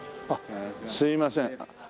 あっすいません。